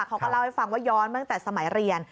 เขาก็เล่าให้ฟังว่าย้อนตั้งแต่สมัยเรียน